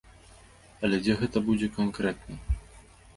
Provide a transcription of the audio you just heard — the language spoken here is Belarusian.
Але дзе гэта будзе канкрэтна?